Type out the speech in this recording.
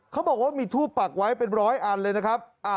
เขาบอกว่ามีทูปปักไว้เป็นร้อยอันเลยนะครับ